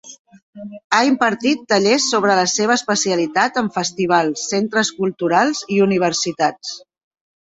Ha impartit tallers sobre la seva especialitat en festivals, centres culturals i universitats.